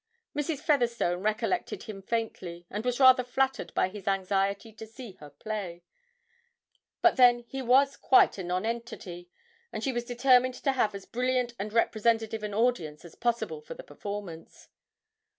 Mrs. Featherstone recollected him faintly, and was rather flattered by his anxiety to see her play; but then he was quite a nonentity, and she was determined to have as brilliant and representative an audience as possible for the performance.